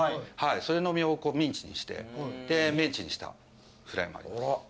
それの身をミンチにしてでメンチにしたフライもあります。